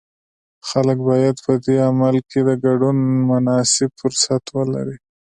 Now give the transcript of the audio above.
خلک باید په دې عمل کې د ګډون مناسب فرصت ولري.